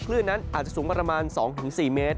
คลื่นนั้นอาจจะสูงประมาณ๒๔เมตร